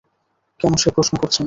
কেন সে প্রশ্ন করছেন?